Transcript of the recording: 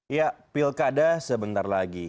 ya pilkada sebentar lagi